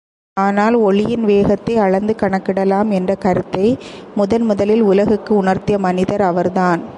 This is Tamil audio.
ஆனால் ஒளியின் வேகத்தை அளந்து கணக்கிடலாம் என்ற கருத்தை முதன் முதலில் உலகுக்கு உணர்த்திய மனிதர் அவர்தான்.